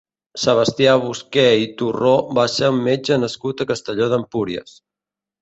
Sebastià Busqué i Torró va ser un metge nascut a Castelló d'Empúries.